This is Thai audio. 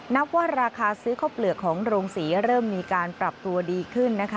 นับว่าราคาซื้อข้าวเปลือกของโรงศรีเริ่มมีการปรับตัวดีขึ้นนะคะ